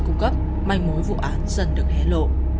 cung cấp manh mối vụ án dần được hé lộ